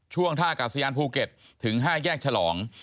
ท่ากาศยานภูเก็ตถึง๕แยกฉลอง